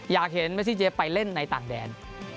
อยากเห็นเมซิเจไปเล่นในต่างแดน